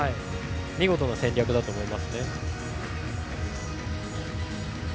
見事な戦略だと思いますね。